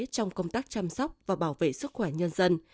trong công tác chăm sóc và bảo vệ sức khỏe nhân dân